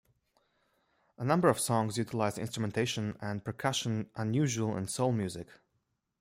A number of songs utilized instrumentation and percussion unusual in soul music.